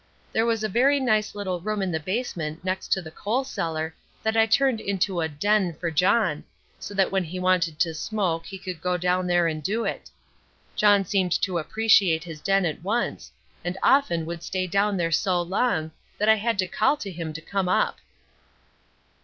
There was a very nice little room in the basement next to the coal cellar that I turned into a "den" for John, so that when he wanted to smoke he could go down there and do it. John seemed to appreciate his den at once, and often would stay down there so long that I had to call to him to come up.